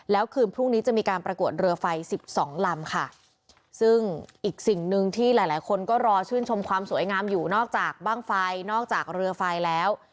แล้วคืนพรุ่งนี้จะมีการประกวดเรือไฟสิบสองลำค่ะซึ่งอีกสิ่งหนึ่งที่หลายหลายคนก็รอชื่นชมความสวยงามอยู่นอกจากบ้างไฟนอกจากเรือไฟแล้ว